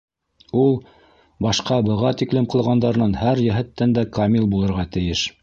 Ул башҡа быға тиклем ҡылғандарынан һәр йәһәттән дә камил булырға тейеш!